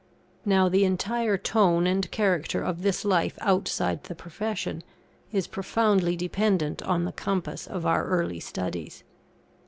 Now the entire tone and character of this life outside the profession, is profoundly dependent on the compass of our early studies.